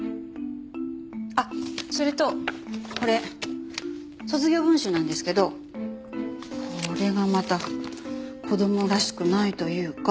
あっそれとこれ卒業文集なんですけどこれがまた子供らしくないというか。